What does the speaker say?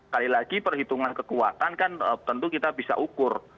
kali lagi perhitungan kekuatan kan tentu kita bisa ukur